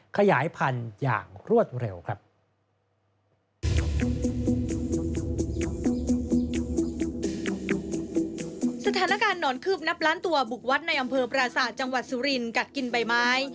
ดังนั้นการหนอนคืบนับล้านตัวบุกวัดในอำเภอปราสาทจังหวัดสุรินกัดกินใบไม้